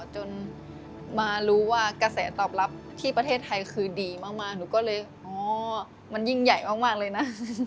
จนมารู้ว่ากระแสตอบรับที่ประเทศไทยคือดีมากหนูก็เลยอ๋อมันยิ่งใหญ่มากเลยนะ